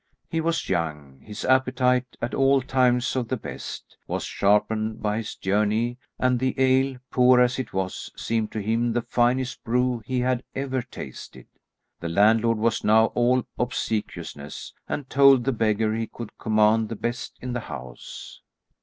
He was young. His appetite, at all times of the best, was sharpened by his journey, and the ale, poor as it was, seemed to him the finest brew he had ever tasted. The landlord was now all obsequiousness, and told the beggar he could command the best in the house.